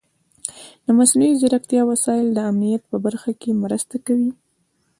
د مصنوعي ځیرکتیا وسایل د امنیت په برخه کې مرسته کوي.